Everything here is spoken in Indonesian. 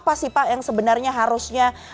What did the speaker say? apa sih pak yang sebenarnya harusnya lebih diutamakan